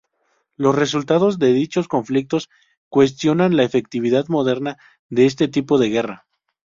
Los resultados de dichos conflictos cuestionan la efectividad moderna de este tipo de guerra.